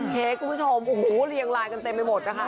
เค้กคุณผู้ชมโอ้โหเรียงไลน์กันเต็มไปหมดนะคะ